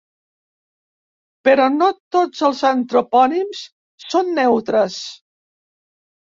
Però no tots els antropònims són neutres.